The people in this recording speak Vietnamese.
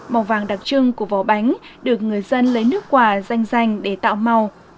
màu vàng đặc trưng của vỏ bánh được người dân lấy nước quả danh dành để tạo màu